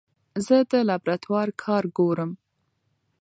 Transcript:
زه د لابراتوار کار ګورم.